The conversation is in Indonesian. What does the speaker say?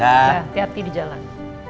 dan hati hati di jalan